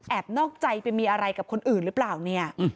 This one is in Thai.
นอกใจไปมีอะไรกับคนอื่นหรือเปล่าเนี่ย